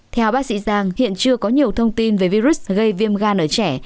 theo bác sĩ giang hiện chưa có nhiều thông tin về virus gây viêm gan ở trẻ